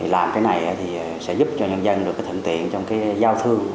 làm cái này sẽ giúp cho nhân dân được thận tiện trong giao thương